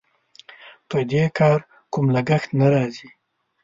په دې کار کوم لګښت نه راځي.